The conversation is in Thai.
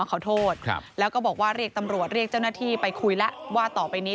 ขอโทษครับแล้วก็บอกว่าเรียกตำรวจเรียกเจ้าหน้าที่ไปคุยแล้วว่าต่อไปนี้